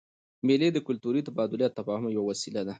مېلې د کلتوري تبادلې او تفاهم یوه وسیله ده.